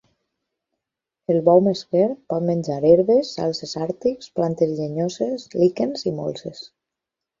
El bou mesquer pot menjar herbes, salzes àrtics, plantes llenyoses, líquens i molses.